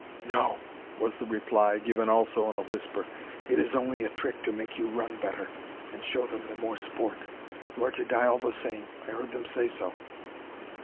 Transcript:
"No," was the reply, given also in a whisper. "It is only a trick to make you run the better and show them the more sport. You are to die all the same. I heard them say so."